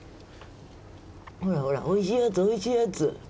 ほらほらおいしいやつおいしいやつ。